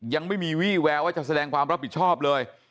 ยังไม่มีวี่แววว่าจะแสดงความรับผิดชอบเลย